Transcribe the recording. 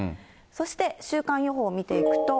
そして、週間予報を見ていくと。